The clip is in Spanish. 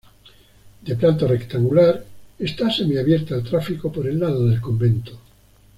De planta rectangular está semi-abierta al tráfico por el lado del convento.